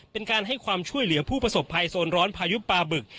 เป็นการให้ความช่วยเหลือผู้ประสบภัยโซนร้อนพายุปลาบึก